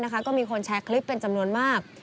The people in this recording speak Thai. ก็มีคนแชร์คลิปเป็นจำนวนมาก